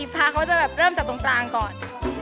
พระเขาจะแบบเริ่มจากตรงกลางก่อน